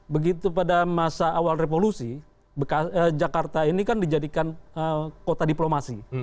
begitu pada masa awal revolusi jakarta ini kan dijadikan kota diplomasi